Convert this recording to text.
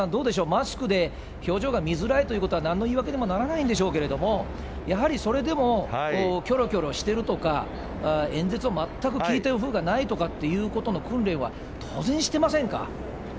マスクで表情が見づらいということはなんの言い訳にもならないんでしょうけど、やはりそれでもきょろきょろしてるとか、演説を全く聞いてるふうがないとかっていうことの訓練は当然してませんか？